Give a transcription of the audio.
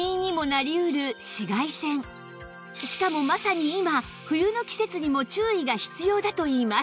しかもまさに今冬の季節にも注意が必要だといいます